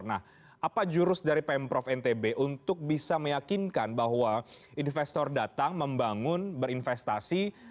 nah apa jurus dari pemprov ntb untuk bisa meyakinkan bahwa investor datang membangun berinvestasi